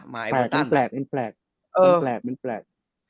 แปลกแปลกแปลก